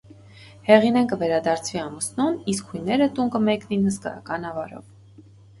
Հեղինէն կը վերադարձուի ամուսնուն, իսկ յոյները տուն կը մեկնին հսկայական աւարով։